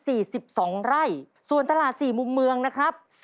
เพราะว่าตลาดไทยนะครับมีพื้นที่มากกว่าตลาดสี่มุมเมืองนะครับ